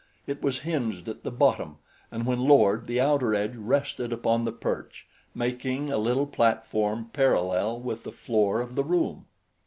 It was hinged at the bottom, and when lowered the outer edge rested upon the perch, making a little platform parallel with the floor of the room.